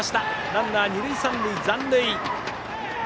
ランナー二塁三塁、残塁。